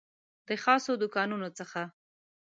د خاصو دوکانونو څخه